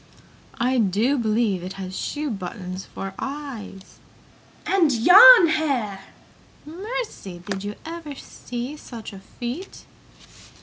"I do believe it has shoe buttons for eyes!" "And yarn hair!" "Mercy, did you ever see such feet!"